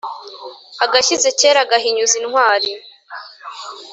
Agashyize kera gahinyuza intwari.